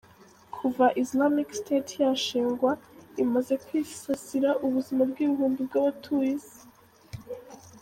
Kuva Islamic State yashingwa, imaze kwisasira ubuzima bw’ibihumbi by’abatuye Isi.